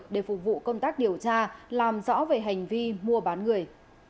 để phục vụ công tác điều tra làm rõ về hành vi mua bán người